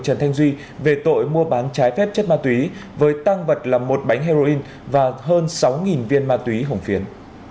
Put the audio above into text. trần thanh duy về tội mua bán trái phép chất ma túy với tăng vật là một bánh heroin và hơn sáu viên ma túy hồng phiến